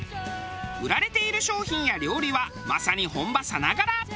売られている商品や料理はまさに本場さながら。